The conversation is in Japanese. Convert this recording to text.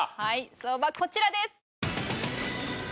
相場こちらです。